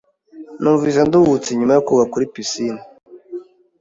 Numvise nduhutse nyuma yo koga muri pisine.